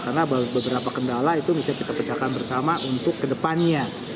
karena beberapa kendala itu bisa kita pecahkan bersama untuk ke depannya